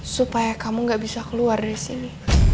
supaya kamu nggak bisa keluar dari sini